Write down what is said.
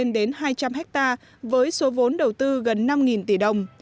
đến hai trăm linh hectare với số vốn đầu tư gần năm tỷ đồng